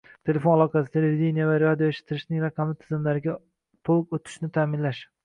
telefon aloqasi, televideniye va radioeshittirishning raqamli tizimlariga to'liq o'tishni ta'minlash